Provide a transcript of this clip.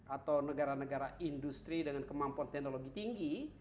atau negara negara industri dengan kemampuan teknologi tinggi